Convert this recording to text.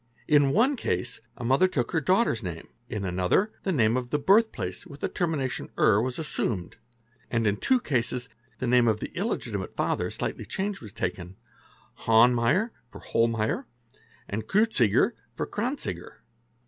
In one case a mother took her daughter's name, in another the name of the birth place with | the termination é7 was assumed, and in two cases the name of the illegi timate father slightly changed was taken,—Hohnmater for Hollmaier and Kreuziger for Kranziger.